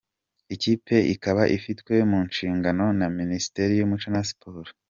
Iyi kipe ikaba ifitwe mu nshingano na Minisiteri y’umuco na siporo.